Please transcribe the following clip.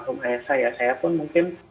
rumah ayah saya saya pun mungkin